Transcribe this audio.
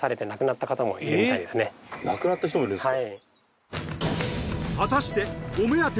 亡くなった人もいるんですか？